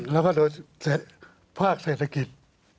แล้วก็โดยภาคเศรษฐกิจ